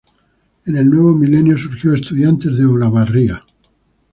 En el nuevo milenio surgió Estudiantes de Olavarría.